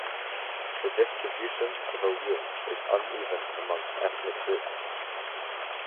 The distribution of alleles is uneven amongst ethnic groups.